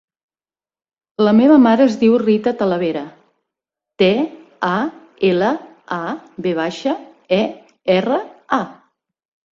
La meva mare es diu Rita Talavera: te, a, ela, a, ve baixa, e, erra, a.